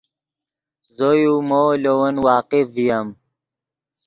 زو یو مو لے ون واقف ڤییم